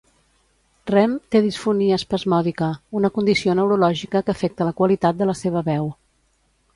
Rehm té disfonia espasmòdica, una condició neurològica que afecta la qualitat de la seva veu.